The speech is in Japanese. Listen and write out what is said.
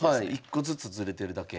１個ずつずれてるだけ。